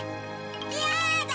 やだ！